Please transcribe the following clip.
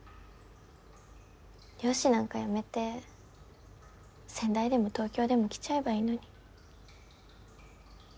漁師なんかやめて仙台でも東京でも来ちゃえばいいのに。